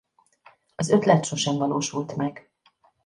Az ötlet sosem valósult meg.